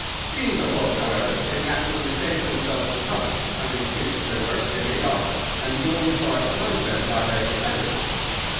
Seeing the hook, however they naturally saved themselves the trouble. Having finished their work they made off, and the door was barred behind them by their confederate."